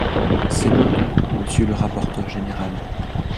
C’est beaucoup, monsieur le rapporteur général.